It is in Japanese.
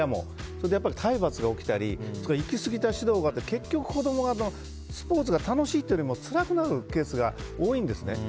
それで体罰が起きたりいき過ぎた指導があったりして結局、子供がスポーツが楽しいというよりもつらくなるケースが多いんですね。